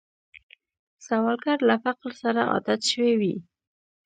سوالګر له فقر سره عادت شوی وي